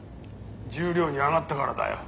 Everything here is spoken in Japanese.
十両に上がったからだよ。